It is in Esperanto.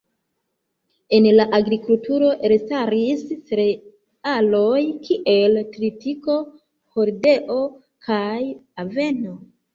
En la agrikulturo elstaris cerealoj kiel tritiko, hordeo kaj aveno.